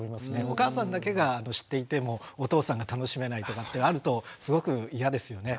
お母さんだけが知っていてもお父さんが楽しめないとかってあるとすごく嫌ですよね。